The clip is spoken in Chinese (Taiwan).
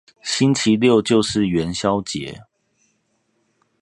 星期六就是元宵節